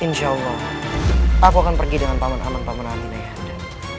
insya allah aku akan pergi dengan paman paman paman amin ayahanda